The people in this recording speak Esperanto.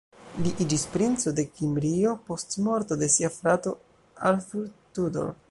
Li iĝis Princo de Kimrio post morto de sia frato Arthur Tudor.